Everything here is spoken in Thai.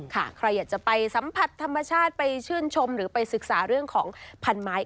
ใครอยากจะไปสัมผัสธรรมชาติไปชื่นชมหรือไปศึกษาเรื่องของพันไม้